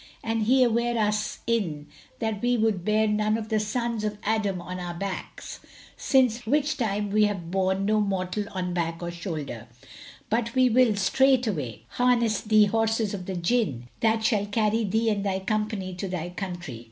and he sware us in that we would bear none of the sons of Adam on our backs; since which time we have borne no mortal on back or shoulder: but we will straightway harness thee horses of the Jinn, that shall carry thee and thy company to thy country."